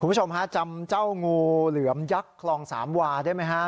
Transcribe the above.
คุณผู้ชมฮะจำเจ้างูเหลือมยักษ์คลองสามวาได้ไหมฮะ